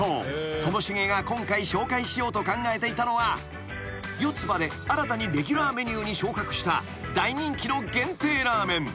ともしげが今回紹介しようと考えていたのは四つ葉で新たにレギュラーメニューに昇格した大人気の限定ラーメン］